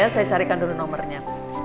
saya carikan dulu nomornya